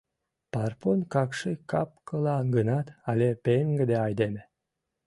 Парпон какши кап-кылан гынат, але пеҥгыде айдеме.